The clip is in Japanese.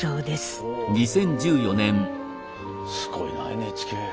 おおすごいなＮＨＫ。